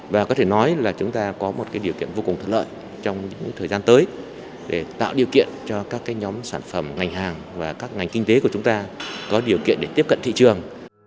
và có thể nói là chúng ta có một điều kiện vô cùng thuận lợi trong những thời gian tới để tạo điều kiện cho các nhóm sản phẩm ngành hàng và các ngành kinh tế của chúng ta có điều kiện để tiếp cận thị trường